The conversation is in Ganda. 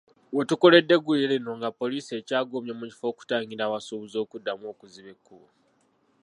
We tukoledde eggulire lino nga poliisi ekyagumbye mu kifo okutangira abasuubuzi okuddamu okuziba ekkubo.